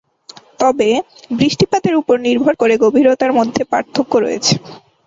তবে, বৃষ্টিপাতের উপর নির্ভর করে গভীরতার মধ্যে পার্থক্য রয়েছে।